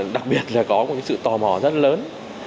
đặc biệt là có sự tò mò rất lớn